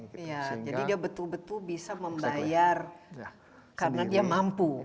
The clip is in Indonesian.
jadi dia betul betul bisa membayar karena dia mampu